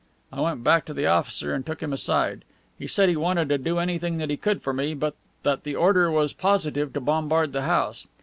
I went back to the officer and took him aside; he said he wanted to do anything that he could for me, but that the order was positive to bombard the house.